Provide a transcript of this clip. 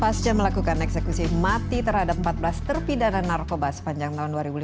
pasca melakukan eksekusi mati terhadap empat belas terpidana narkoba sepanjang tahun dua ribu lima belas